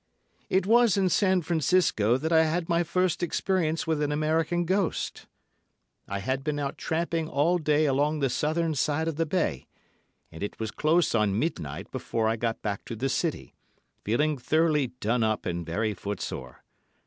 It was in San Francisco that I had my first experience with an American ghost. I had been out tramping all day along the southern side of the bay, and it was close on midnight before I got back to the city, feeling thoroughly done up and very footsore.